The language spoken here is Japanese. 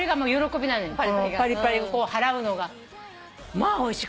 まあおいしい。